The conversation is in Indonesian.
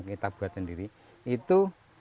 kita buat sendiri itu